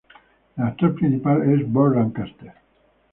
El actor principal es Burt Lancaster.